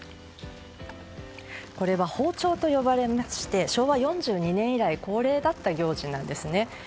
これは、放鳥と呼ばれまして昭和４２年以来恒例だった行事なんですね。